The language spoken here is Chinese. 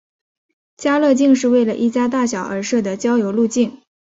家乐径是为了一家大小而设的郊游路径。